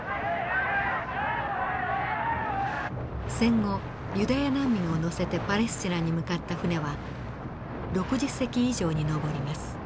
戦後ユダヤ難民を乗せてパレスチナに向かった船は６０隻以上に上ります。